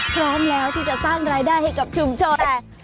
พร้อมแล้วที่จะสร้างรายได้ให้ก่อพี่